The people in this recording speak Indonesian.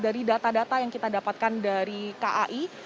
dari data data yang kita dapatkan dari kai